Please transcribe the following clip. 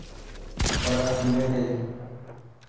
برف جمي گئي.